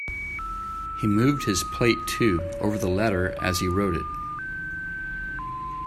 He moved his plate, too, over the letter as he wrote it.